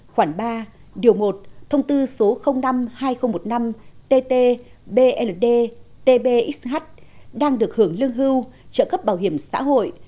khoảng ba điều một thông tư số năm hai nghìn một mươi năm tt bld tbx đang được hưởng lương hưu trợ cấp bảo hiểm xã hội